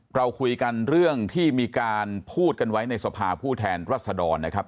เราคุยกันเรื่องที่มีการพูดกันไว้ในสภาผู้แทนรัศดรนะครับ